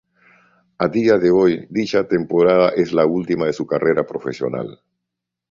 A día de hoy, dicha temporada es la última de su carrera profesional.